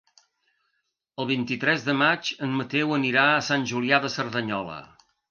El vint-i-tres de maig en Mateu anirà a Sant Julià de Cerdanyola.